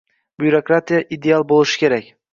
Byurokratiya ideal bo`lishi kerak